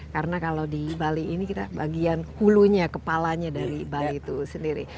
karena kalau di bali ini kita bagian kulunya kepalanya dari bali itu sendiri